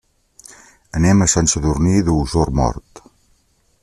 Anem a Sant Sadurní d'Osormort.